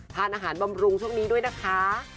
ทานอาหารบำรุงช่วงนี้ด้วยนะคะ